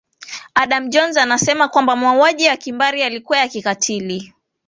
adam jones anasema kwamba mauaji ya kimbari yalikuwa ya kikatili